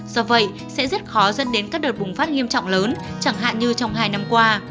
do vậy sẽ rất khó dẫn đến các đợt bùng phát nghiêm trọng lớn chẳng hạn như trong hai năm qua